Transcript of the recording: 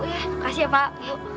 makasih ya pak bu